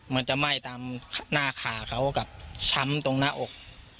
มันจะไหม้ตามหน้าขาเขากับช้ำตรงหน้าอก